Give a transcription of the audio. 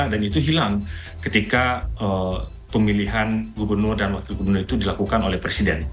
dan itu hilang ketika pemilihan gubernur dan waktu gubernur itu dilakukan oleh presiden